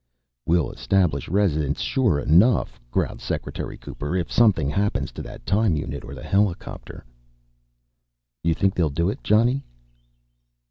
"We'll establish residence sure enough," growled Secretary Cooper, "if something happens to that time unit or the helicopter." "You think they'll do it, Johnny?"